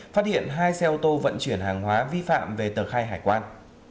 phát hiện hai xe ô tô vận chuyển hàng hóa vi phạm về tờ khai hải quan